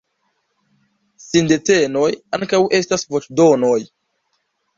Sindetenoj ankaŭ estas voĉdonoj.